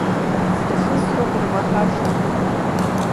Ӡҭахысроуп ирмаҳаша.